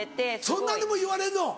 そんなんでも言われんの？